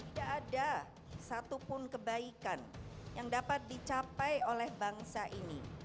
tidak ada satupun kebaikan yang dapat dicapai oleh bangsa ini